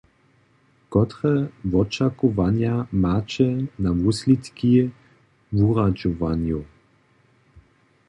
Kotre wočakowanja maće na wuslědki wuradźowanjow?